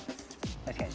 確かに。